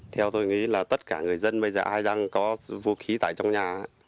theo tôi nghĩ là tất cả người dân bây giờ ai đang có vũ khí tại trong nhà